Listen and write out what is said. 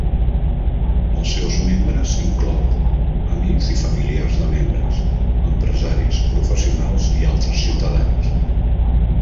Els seus membres inclouen amics i familiars de membres, empresaris, professionals i altres ciutadans.